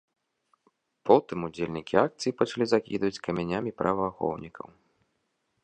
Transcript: Потым удзельнікі акцыі пачалі закідваць камянямі праваахоўнікаў.